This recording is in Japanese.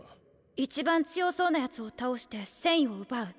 一番強そうな奴を倒して戦意を奪う。